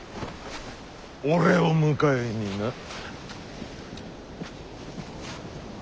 俺を迎えにな。